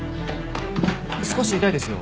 少し痛いですよ。